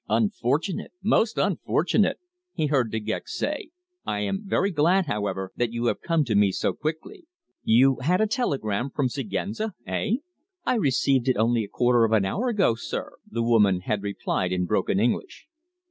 "Unfortunate! Most unfortunate!" he heard De Gex say. "I am very glad, however, that you have come to me so quickly. You had a telegram from Siguenza eh?" "I received it only a quarter of an hour ago, sir," the woman had replied in broken English.